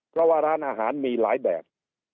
เพราะว่าร้านอาหารมีหลายแบบ